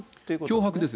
脅迫です。